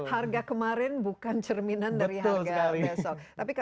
harga kemarin bukan cerminan dari harga besok